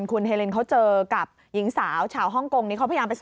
ทำให้มีโอกาสไปพบกับหญิงคนหนึ่งเป็นชาวฮ่องกงคนหนึ่ง